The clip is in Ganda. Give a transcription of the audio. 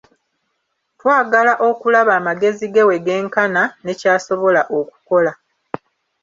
Twagala okulaba amagezi ge we genkana, ne ky'asobola okukola.